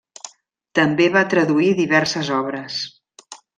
També va traduir diverses obres.